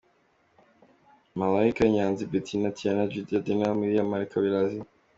Malaika Nnyanzi Bettinah Tianah Judithiana Deedan Muyira Maria Kibalizi.